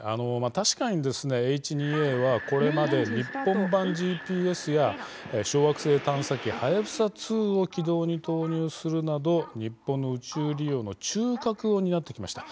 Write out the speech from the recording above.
確かにＨ２Ａはこれまで日本版ＧＰＳや小惑星探査機はやぶさ２を軌道に投入するなど日本の宇宙利用の中核を担ってきました。